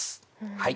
はい。